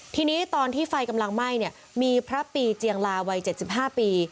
ทีนี้ตอนที่ไฟกำลังไหม้เนี่ยมีพระปีเจียงลาวัย๗๕ปี